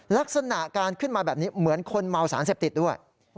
ลักษณะการขึ้นมาแบบนี้เหมือนคนเมาสารเสพติดด้วย